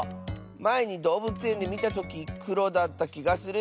まえにどうぶつえんでみたときくろだったきがする！